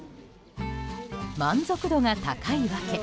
満足度が高いわけ。